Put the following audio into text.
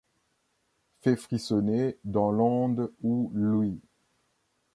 Fait frissonner dans l'onde où luit